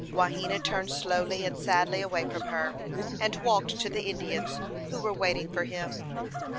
Wahena turned slowly and sadly away from her, and walked to the Indians who were waiting for him.